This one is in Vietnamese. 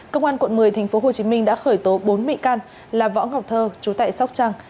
công an quận một mươi tp hcm đã khởi tố bốn bị can là võ ngọc thơ chú tại sóc trăng